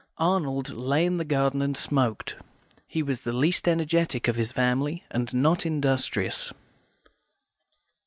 Arnold lay in the garden and smoked. He was the least energetic of his family, and not industrious.